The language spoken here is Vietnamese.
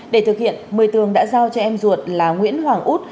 để thực hiện một mươi tường đã giao cho em ruột là nguyễn hoàng út